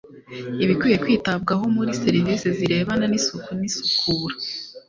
Ibikwiye kwitabwaho muri serivisi zirebana n isuku n isukura